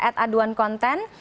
at aduan konten